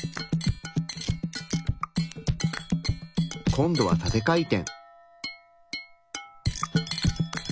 今度は縦回転。